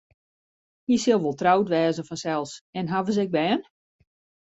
Hy sil wol troud wêze fansels en hawwe se ek bern?